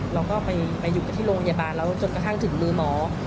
เราก็ไปอยู่กับที่โรงพยาบาลแล้วจนกระทั่งถึงมือหมอ